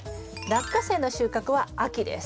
ラッカセイの収穫は秋です。